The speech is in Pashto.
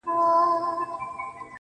o ستا د سترگو جام مي د زړه ور مات كـړ.